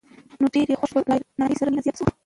نو ډېر یې خوښ شول لا یې له نایلې سره مینه زیاته شوه.